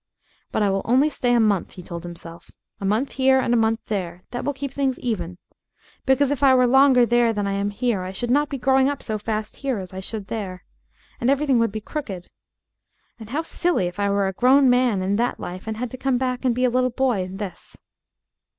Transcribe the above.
"But I will only stay a month," he told himself, "a month here and a month there, that will keep things even. Because if I were longer there than I am here I should not be growing up so fast here as I should there. And everything would be crooked. And how silly if I were a grown man in that life and had to come back and be a little boy in this!"